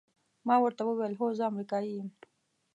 ما ورته وویل: هو، زه امریکایی یم.